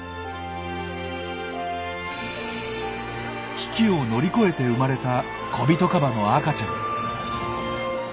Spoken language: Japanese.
危機を乗り越えて生まれたコビトカバの赤ちゃん。